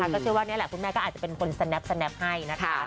ก็เชื่อว่านี่แหละคุณแม่ก็อาจจะเป็นคนสแนปให้นะคะ